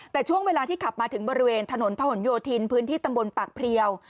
แต่ช่วงเวลาที่ขับมาถึงบริเวณถนนพะหนโยธินพื้นที่ตำบลปากเพลียว